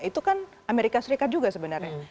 itu kan amerika serikat juga sebenarnya